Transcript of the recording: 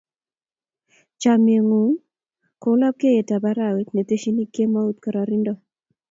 Chomye ng'ung' kou lapkeet ap arawet ne teschin kemout kororindo.